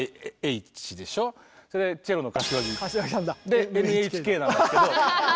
でＮＨＫなんですけど。